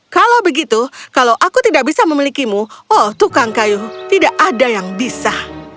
kalau begitu kalau aku tidak bisa memilikimu oh tukang kayu tidak ada yang bisa